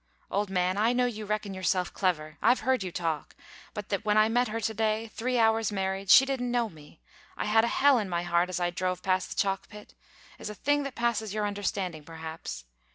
Old man, I know you reckon yourself clever, I've heard you talk: but that when I met her to day, three hours married, and she didn't know me, I had a hell in my heart as I drove past the Chalk pit, is a thing that passes your understanding, perhaps.